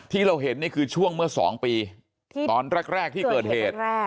ที่เราเห็นนี่คือช่วงเมื่อ๒ปีตอนแรกที่เกิดเหตุ